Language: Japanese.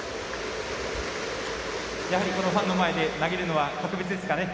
やはり、ファンの前で投げるのは格別ですかね。